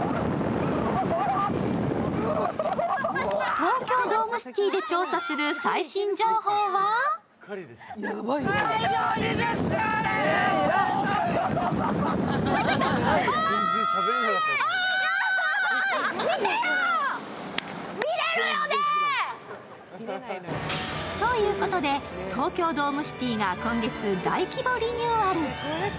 東京ドームシティで調査する最新情報はということで、東京ドームシティが今月、大規模リニューアル。